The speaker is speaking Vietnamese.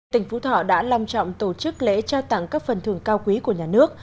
tỉnh phú thọ đã long trọng tổ chức lễ trao tặng các phần thường cao quý của nhà nước